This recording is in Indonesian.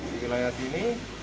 di wilayah sini